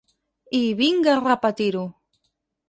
I vinga repetir-ho.